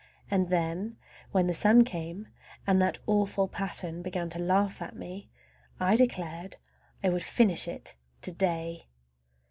And then when the sun came and that awful pattern began to laugh at me I declared I would finish it to day!